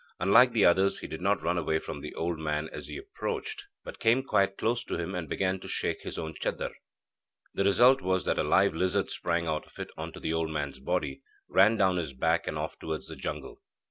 Unlike the others, he did not run away from the old man as he approached, but came quite close to him and began to shake his own chadar. The result was that a live lizard sprang out of it on to the old man's body, ran down his back and off towards the jungle.